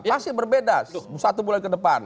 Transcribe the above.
pasti berbeda satu bulan ke depan